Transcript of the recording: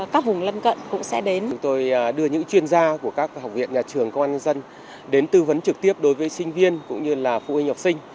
các trường công an nhân dân đến tư vấn trực tiếp đối với sinh viên cũng như là phụ huynh học sinh